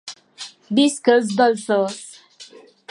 Visca els dolços!